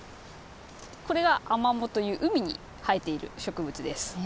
これが「アマモ」という海に生えている植物です。